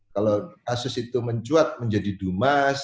kalau kasus itu mencuat menjadi dumas